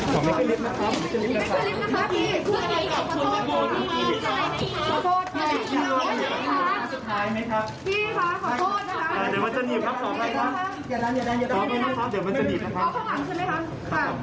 พี่โมย่างไงบ้างนะครับ